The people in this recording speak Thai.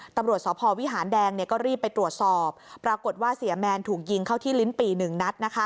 ตำรวจสพวิหารแดงก็รีบไปตรวจสอบปรากฏว่าเสียแมนถูกยิงเข้าที่ลิ้นปี่๑นัด